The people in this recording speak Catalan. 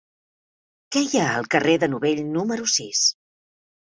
Què hi ha al carrer de Novell número sis?